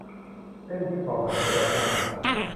เส้นที่ขอบมาชนกันสะอาด